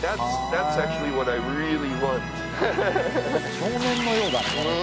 少年のようだ。